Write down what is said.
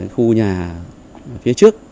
khu nhà phía trước